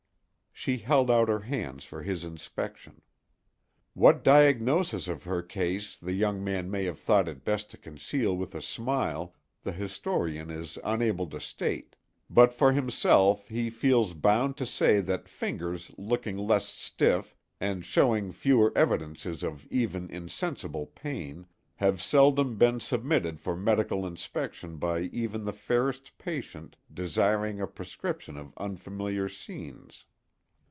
She held out her hands for his inspection. What diagnosis of her case the young man may have thought it best to conceal with a smile the historian is unable to state, but for himself he feels bound to say that fingers looking less stiff, and showing fewer evidences of even insensible pain, have seldom been submitted for medical inspection by even the fairest patient desiring a prescription of unfamiliar scenes.